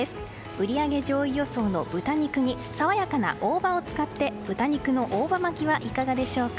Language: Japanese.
売り上げ上位予想の豚肉に爽やかな大葉を使って豚肉の大葉巻きはいかがでしょうか。